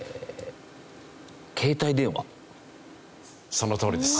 そのとおりです。